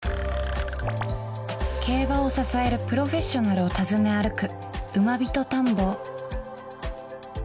競馬を支えるプロフェッショナルを訪ね歩く